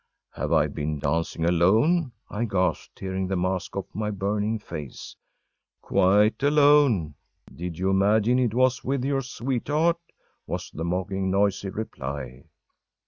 “Have I been dancing alone?‚ÄĚ I gasped, tearing the mask off my burning face. “Quite alone! Did you imagine it was with your sweetheart?‚ÄĚ was the mocking, noisy reply.